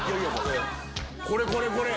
これこれこれ！